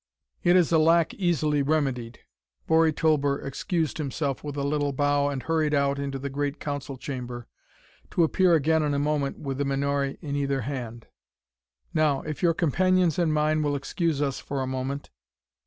"It is a lack easily remedied." Bori Tulber excused himself with a little bow and hurried out into the great council chamber, to appear again in a moment with a menore in either hand. "Now, if your companions and mine will excuse us for a moment...."